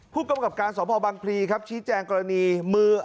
ผู้กำกับการสพบังพลีครับชี้แจงกรณีมือ